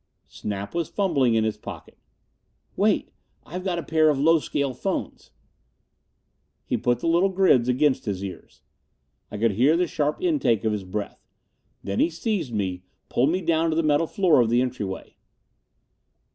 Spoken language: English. Snap was fumbling in his pocket. "Wait, I've got a pair of low scale phones." He put the little grids against his ears. I could hear the sharp intake of his breath. Then he seized me, pulled me down to the metal floor of the entryway.